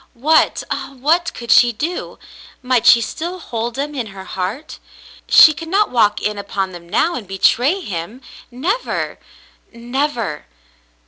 What — ah, what could she do ! Might she still hold him in her heart ? She could not walk in upon them now and betray him — never — never.